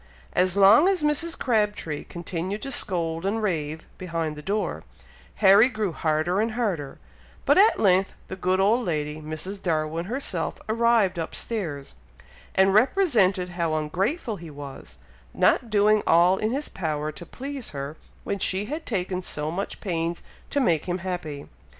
As long as Mrs. Crabtree continued to scold and rave behind the door, Harry grew harder and harder; but at length the good old lady, Mrs. Darwin herself, arrived up stairs, and represented how ungrateful he was, not doing all in his power to please her, when she had taken so much pains to make him happy.